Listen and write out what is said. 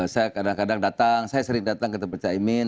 saya kadang kadang datang saya sering datang ke tempat caimin